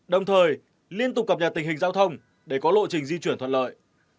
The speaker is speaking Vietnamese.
đồng thời liên tục cập nhật tình hình giao thông để có lộ trình di chuyển thuận lợi